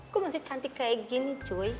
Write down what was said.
kok masih cantik kaya gini cumw